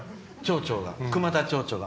熊田町長が。